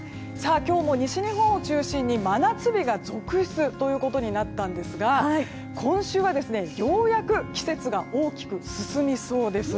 今日も西日本を中心に真夏日が続出となったんですが今週はようやく季節が大きく進みそうです。